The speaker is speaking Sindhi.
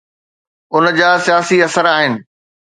ان جا سياسي اثر آهن.